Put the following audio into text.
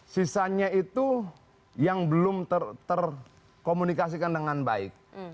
sisanya itu yang belum terkomunikasikan dengan baik